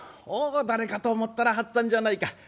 「おお誰かと思ったら八っつぁんじゃないか。